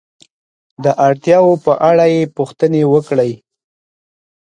د اړتیاو په اړه یې پوښتنې وکړئ.